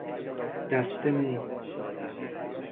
دسته مو